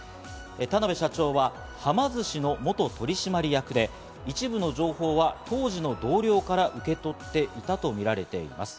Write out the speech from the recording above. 田辺社長ははま寿司の元取締役で、一部の情報は当時の同僚から受け取っていたとみられています。